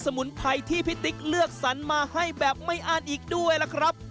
มุนไพรที่พี่ติ๊กเลือกสรรมาให้แบบไม่อ้านอีกด้วยล่ะครับ